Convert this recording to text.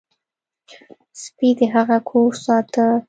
سپي د هغه کور ساته.